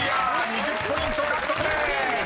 ２０ポイント獲得です］